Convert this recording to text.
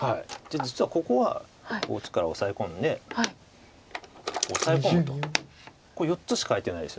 実はここはこっちからオサエ込んでこうオサエ込むとこれ４つしか空いてないですよね。